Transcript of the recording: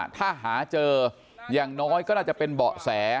ถ้าหาเจออย่างน้อยก็น่าจะเป็นเบาะแส